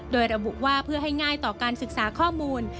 โดยระบุว่าเพื่อให้ง่ายต่อการศึกษาข้อมูล